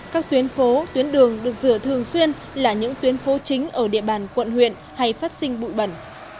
các tuyến phố tuyến đường được rửa thường xuyên là những tuyến phố chính ở địa bàn quận huyện hay phát sinh bụi bẩn